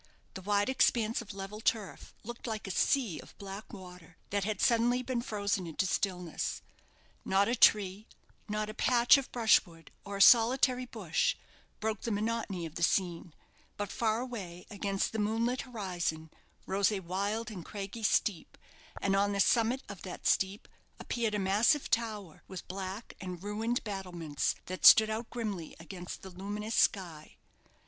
The wide expanse of level turf looked like a sea of black water that had suddenly been frozen into stillness. Not a tree not a patch of brushwood, or a solitary bush broke the monotony of the scene: but far away against the moonlit horizon rose a wild and craggy steep, and on the summit of that steep appeared a massive tower, with black and ruined battlements, that stood out grimly against the luminous sky.